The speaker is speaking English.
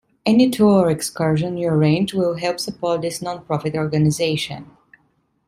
Any tour or excursion you arrange will help support this non-profit organization.